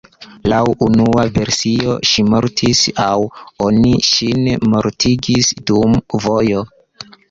Laŭ unua versio ŝi mortis aŭ oni ŝin mortigis dum vojo.